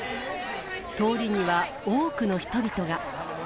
通りには多くの人々が。